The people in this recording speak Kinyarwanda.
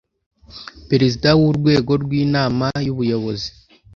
Perezida w Urwego rw Inama y Ubuyobozi